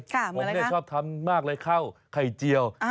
ผมชอบทำมากเลยข้าวไข่เจียว